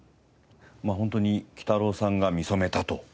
まあホントにきたろうさんが見初めたと。